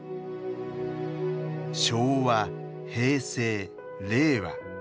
昭和平成令和。